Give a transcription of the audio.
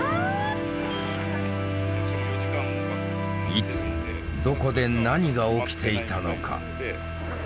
いつどこで何が起きていたのか。